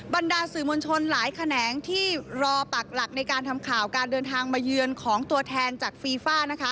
บรรดาสื่อมวลชนหลายแขนงที่รอปักหลักในการทำข่าวการเดินทางมาเยือนของตัวแทนจากฟีฟ่านะคะ